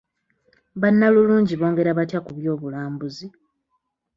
Bannalulungi bongera batya ku by'obulambuzi?